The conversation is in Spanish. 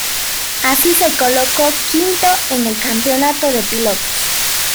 Así, se colocó quinto en el campeonato de pilotos.